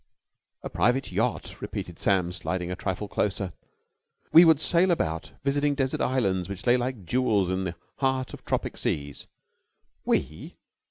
"A private yacht," repeated Sam sliding a trifle closer. "We would sail about, visiting desert islands which lay like jewels in the heart of tropic seas." "We?"